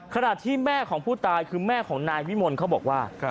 ขณะที่แม่ของผู้ตายคือแม่ของนายวิมลเขาบอกว่า